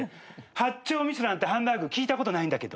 八丁味噌なんてハンバーグ聞いたことないんだけど。